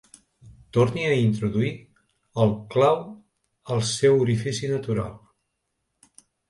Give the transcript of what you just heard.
Torni a introduir el clau al seu orifici natural.